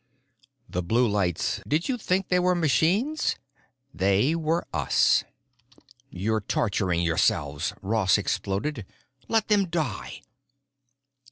The blue lights—did you think they were machines?" They were us! "You're torturing yourselves!" Ross exploded. "Let them die."